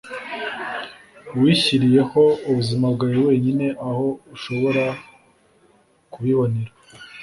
wishyiriyeho ubuzima bwawe wenyine aho ushobora kubibonera